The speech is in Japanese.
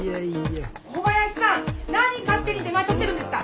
小林さん何勝手に出前取ってるんですか。